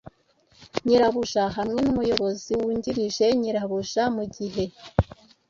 nyirabuja hamwe n’umuyobozi wungirije nyirabuja mu gihe